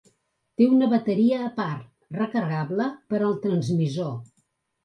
Té una bateria a part recarregable per al transmissor.